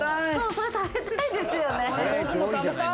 それ、食べたいですよね。